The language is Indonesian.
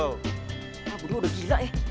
ah berdua udah gila ya